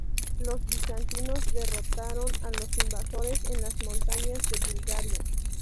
Los bizantinos derrotaron a los invasores en las montañas de Bulgaria.